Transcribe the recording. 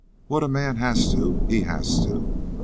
What a man has to he has to.